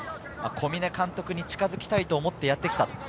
小嶺監督に近づきたいと思ってやってきた。